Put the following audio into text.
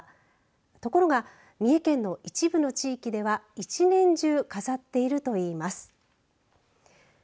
ところが三重県の一部の地域では一年中、飾っているといいます。